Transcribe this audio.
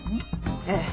ええ。